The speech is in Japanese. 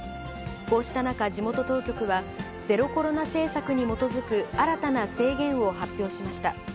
こうした中、地元当局はゼロコロナ政策に基づく新たな制限を発表しました。